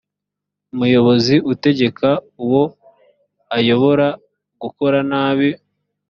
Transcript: umuyobozi utegeka uwo ayobora gukora nabi